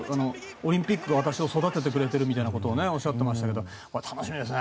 オリンピックが私を育ててくれているっておっしゃっていましたけど楽しみですね。